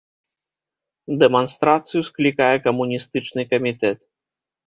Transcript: Дэманстрацыю склікае камуністычны камітэт.